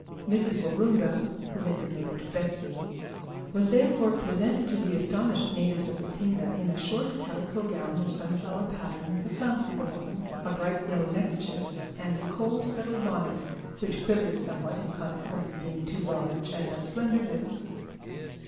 Mrs Waroonga who had been named Betsy was therefore presented to the astonished natives of Ratinga in a short calico gown of sunflower pattern with a flounce at the bottom, a bright yellow neckerchief, and a coal scuttle bonnet, which quivered somewhat in consequence of being too large and of slender build.